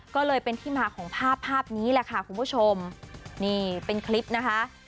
ก็เลยเป็นที่มาของภาพภาพนี้แหละค่ะคุณผู้ชมนี่เป็นคลิปนะคะ